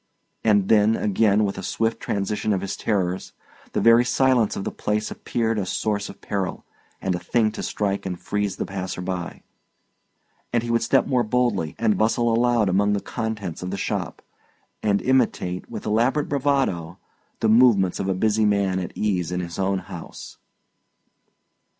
And then, again, with a swift transition of his terrors, the very silence of the place appeared a source of peril, and a thing to strike and freeze the passer by; and he would step more boldly, and bustle aloud among the contents of the shop, and imitate, with elaborate bravado, the movements of a busy man at ease in his own house.